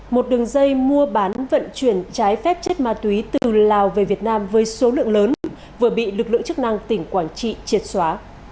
một đường dây mua bán vận chuyển trái phép chất ma túy từ lào về việt nam với số lượng lớn vừa bị lực lượng chức năng tỉnh quảng trị triệt xóa